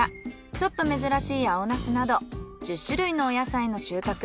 ちょっと珍しい青ナスなど１０種類のお野菜の収穫。